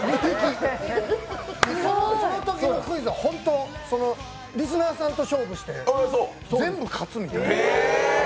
そのときのクイズはリスナーさんと対戦して全部勝つっていう。